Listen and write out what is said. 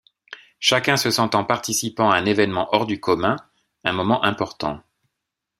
Chacun se sentant participant à un évènement hors du commun, un moment important.